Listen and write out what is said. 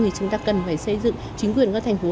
thì chúng ta cần phải xây dựng chính quyền các thành phố